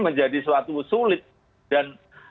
menjadi sesuatu sulit dan